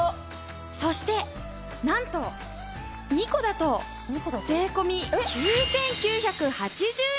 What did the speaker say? そしてなんと２個だと税込９９８０円となります。